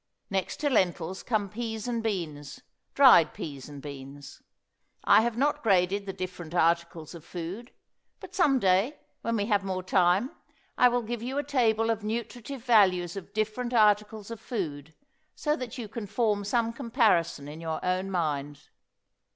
Next to lentils come peas and beans, dried peas and beans. I have not graded the different articles of food, but some day when we have more time I will give you a table of nutritive values of different articles of food so that you can form some comparison in your own mind.